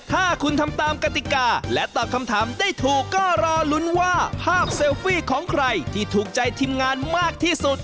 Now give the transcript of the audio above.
ถ้าคุณทำตามกติกาและตอบคำถามได้ถูกก็รอลุ้นว่าภาพเซลฟี่ของใครที่ถูกใจทีมงานมากที่สุด